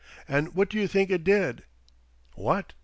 And what do you think it did?" "What?"